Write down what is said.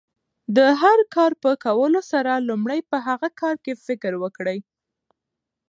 د هر کار په کولو سره، لومړی په هغه کار کښي فکر وکړئ!